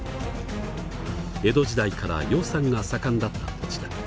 江戸時代から養蚕が盛んだった土地だ。